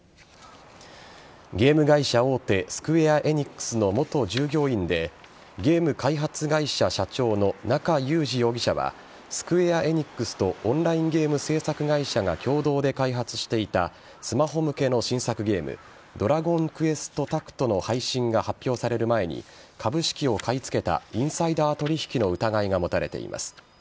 ゲーム会社大手スクウェア・エニックスの元従業員でゲーム開発会社社長の中裕司容疑者はスクウェア・エニックスとオンラインゲーム制作会社が共同で開発していたスマホ向けの新作ゲーム「ドラゴンクエストタクト」の配信が発表される前に株式を買い付けたインサイダー取引の疑いが持たれています。